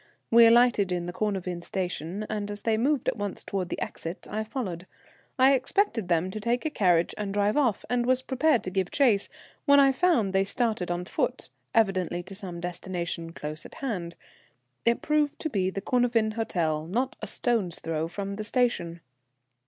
We alighted in the Cornavin station, and as they moved at once towards the exit I followed. I expected them to take a carriage and drive off, and was prepared to give chase, when I found they started on foot, evidently to some destination close at hand. It proved to be the Cornavin Hôtel, not a stone's throw from the station.